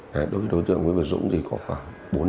đối với đối tượng với người dũng thì có khoảng